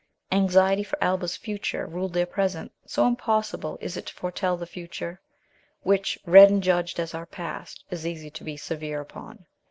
Anxiety for Alba's future ruled their present, so impossible is it to foretell the future, which, read and judged as our past, is easy to be severe upon.